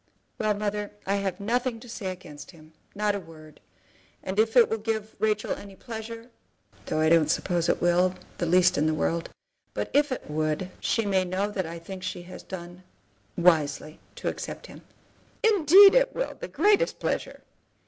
"Well, mother, I have nothing to say against him, not a word. And if it will give Rachel any pleasure, though I don't suppose it will, the least in the world; but if it would, she may know that I think she has done wisely to accept him." "Indeed it will; the greatest pleasure."